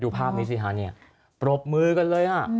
ดูภาพนี้ซิฮะปรบมือกันเลย